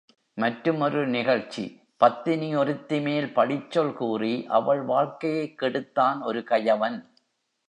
மற்றும் ஒரு நிகழ்ச்சி பத்தினி ஒருத்திமேல் பழிச்சொல் கூறி அவள் வாழ்க்கையைக் கெடுத்தான் ஒரு கயவன்.